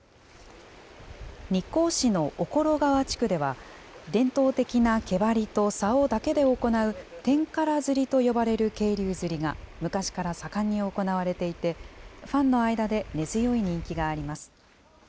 日光市の小来川地区では、伝統的な毛ばりとさおだけで行うテンカラ釣りと呼ばれる渓流釣りが昔から盛んに行われていて、ファンの間で根強い人気があります。